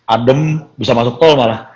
adem bisa masuk tol malah